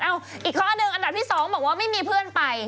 อีกข้อหนึ่งอันดับที่๒บอกว่าไม่มีเพื่อนไป